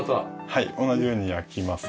はい同じように開きます。